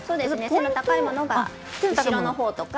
背の高いものは後ろの方とか。